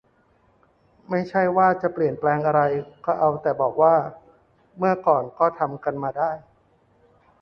ไม่ใช่ว่าจะเปลี่ยนแปลงอะไร ก็เอาแต่บอกว่า เมื่อก่อนก็ทำกันมาได้